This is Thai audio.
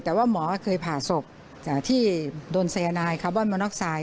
แต่ว่าหมอเคยผ่าศพที่โดนสายนายคาร์บอนมาน็อกไซด